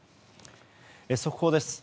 速報です。